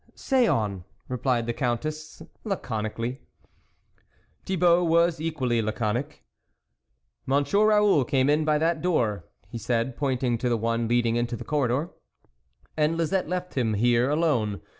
" Say on," replied the Countess, laconi cally. Thibault was equally laconic. " Monsieur Raoul came in by that door," he said, pointing to the one leading into the corridor, "and Lisette left him here alone.